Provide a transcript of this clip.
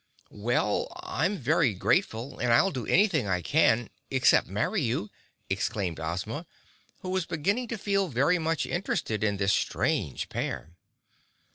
"Well, I'm very grateful, and I'll do anything I can except marry you," exclaimed Ozma, who was beginning to feel very much interested in this strange pair.